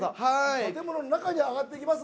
建物の中に入っていきます。